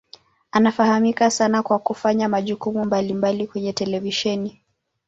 Anafahamika sana kwa kufanya majukumu mbalimbali kwenye televisheni.